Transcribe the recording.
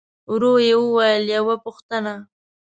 ورو يې وويل: يوه پوښتنه!